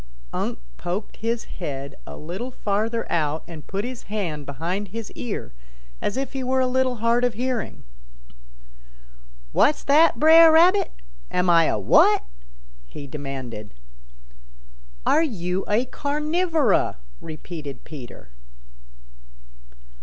Unc' poked his head a little farther out and put his hand behind his ear as if he were a little hard of hearing. "What's that, Bre'r Rabbit? Am I a what?" he demanded. "Are you a Carnivora?" repeated Peter.